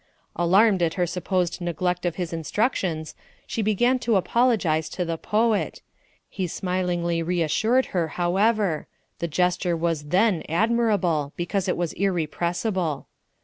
Alarmed at her supposed neglect of his instructions, she began to apologize to the poet; he smilingly reassured her, however; the gesture was then admirable, because it was irrepressible.